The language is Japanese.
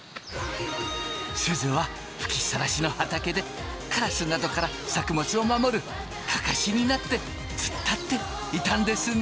すずは吹きっさらしの畑でカラスなどから作物を守るカカシになって突っ立っていたんですね。